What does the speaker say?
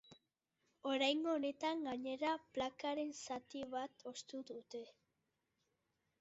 Oraingo honetan, gainera, plakaren zati bat ostu dute.